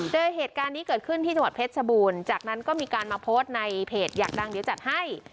โดยเหตุการณ์นี้เกิดขึ้นที่จังหวัดเพชรชบูรณ์จากนั้นก็มีการมาโพสต์ในเพจอยากดังเดี๋ยวจัดให้